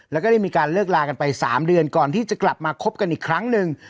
แล้วก็ได้มีการเลิกลากันไป๓เดือนก่อนที่จะกลับมาคบกันอีกครั้งหนึ่ง